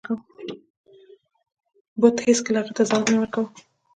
بت هیڅکله هغه ته ځواب نه ورکاو.